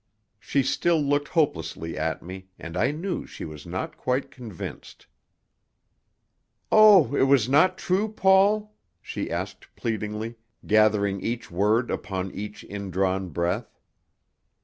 She still looked hopelessly at me, and I knew she was not quite convinced. "Oh, it was not true, Paul?" she asked pleadingly, gathering each word upon each indrawn breath.